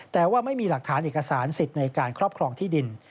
แต่ว่าไม่มีหลักฐานเอกสารสิทธิ์ในการครอบครองที่ดิน